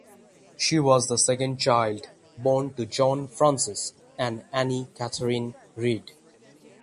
She was the second child born to John Francis and Annie Catherine Reid.